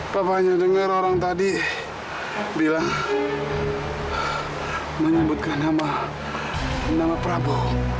papa hanya dengar orang tadi bilang menyebutkan nama prabu